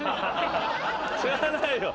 知らないよ。